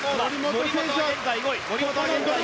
森本は現在５位。